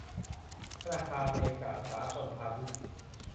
ธนาคารเมกะ สากลพาณิชย์